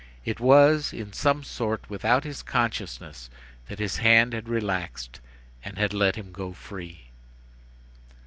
It was, in some sort, without his consciousness, that his hand had relaxed and had let him go free.